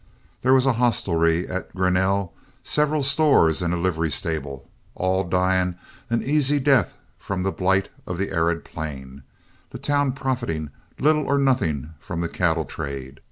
There was a hostelry at Grinnell, several stores and a livery stable, all dying an easy death from the blight of the arid plain, the town profiting little or nothing from the cattle trade.